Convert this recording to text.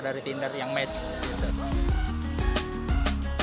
dari tinder yang match